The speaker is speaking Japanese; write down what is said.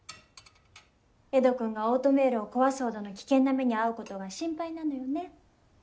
エド君がオートメイルを壊すほどの危険な目に遭うことが心配なのよね